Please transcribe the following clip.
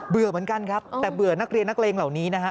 เหมือนกันครับแต่เบื่อนักเรียนนักเลงเหล่านี้นะฮะ